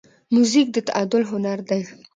موزیک د تعادل هنر دی.